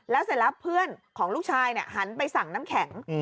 แล้วเสร็จแล้วเพื่อนของลูกชายหันไปสั่งน้ำแข็ง